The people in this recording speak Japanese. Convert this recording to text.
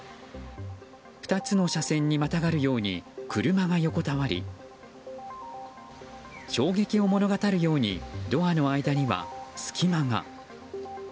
２つの車線にまたがるように車が横たわり衝撃を物語るようにドアの間には隙間が。